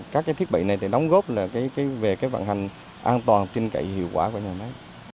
các thiết bị này đồng góp về vận hành an toàn tin cậy hiệu quả của nhà máy